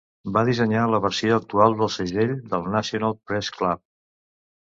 Va dissenyar la versió actual del segell del National Press Club.